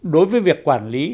đối với việc quản lý